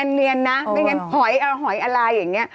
ต้องเนียนนะไม่งั้นหอยอะไรอย่างนี้